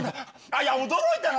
いや驚いたな。